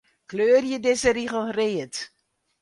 Kleurje dizze rigel read.